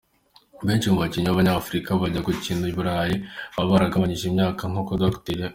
Benshi mu bakinnyi b’Abanyafurika bajya gukina i Burayi baba baragabanyije imyaka nkuko Dr.